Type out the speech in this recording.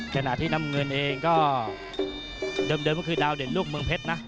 ขณะที่น้ำเงินเองก็เดิมก็คือดาวเด่นลูกเมืองเพชรนะ